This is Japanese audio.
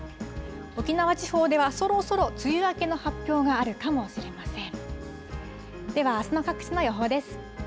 沖縄地方ではそろそろ梅雨明けの発表があるかもしれません。